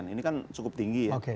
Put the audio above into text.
ini kan cukup tinggi ya